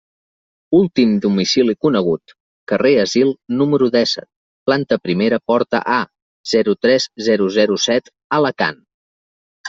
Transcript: Últim domicili conegut: carrer Asil, número dèsset, planta primera, porta A, zero tres zero zero set, Alacant.